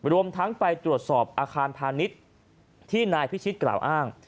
รวมทั้งไปตรวจสอบอาคารพาณิชย์ที่นายพิชิตกล่าวอ้าง